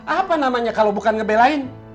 apa namanya kalau bukan ngebelain